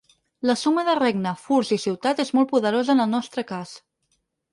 La suma de regne, furs i ciutat és molt poderosa en el nostre cas.